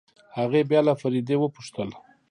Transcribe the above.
هغې بيا له فريدې وپوښتل.